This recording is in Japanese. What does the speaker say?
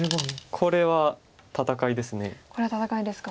これは戦いですか。